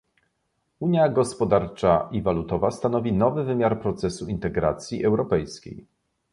Unia Gospodarcza i Walutowa stanowi nowy wymiar procesu integracji europejskiej